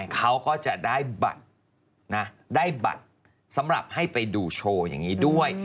เขาก็จะได้บัตรนะได้บัตรสำหรับให้ไปดูโชว์อย่างนี้ด้วย